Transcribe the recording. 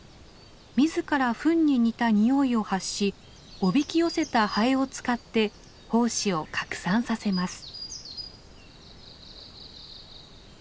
自らフンに似た臭いを発しおびき寄せたハエを使って胞子を拡散させます。